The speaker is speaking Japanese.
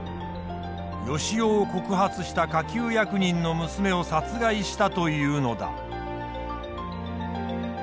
善男を告発した下級役人の娘を殺害したというのだ。